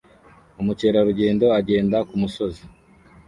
Umukerarugendo agenda ku musozi